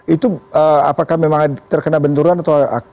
itu apakah memang terkena benturan atau